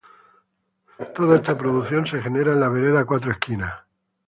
Todo este producido se genera en la vereda Cuatro Esquinas.